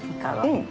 うん。